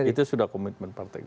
itu sudah komitmen partai